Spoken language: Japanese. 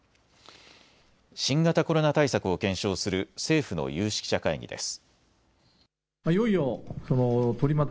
新型コロナ対策を検証する政府の有識者会議です。